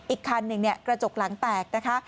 อีกคันหนึ่งกระจกหลังแตกนะคะ